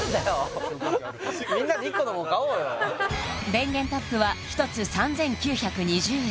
電源タップは１つ３９２０円